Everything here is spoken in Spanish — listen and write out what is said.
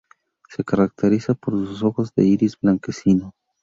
Se caracteriza por sus ojos de iris blanquecino.